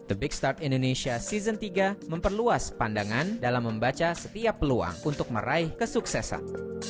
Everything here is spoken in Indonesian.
the big start indonesia season tiga memperluas pandangan dalam membaca setiap peluang untuk meraih kesuksesan